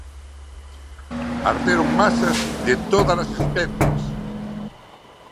Arderon masas de todas as especies.